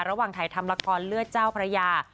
ระหว่างถ่ายทำละครเลือดเจ้าพระยา